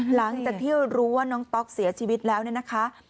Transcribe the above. หลังจากที่รู้ว่าน้องต๊อกเสียชีวิตแล้วเนี่ยนะคะ